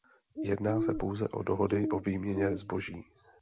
Jedná se pouze o dohody o výměně zboží.